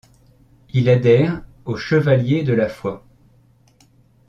Il adhère aux Chevaliers de la Foi.